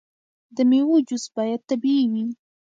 د میوو جوس باید طبیعي وي.